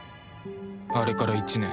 あれから１年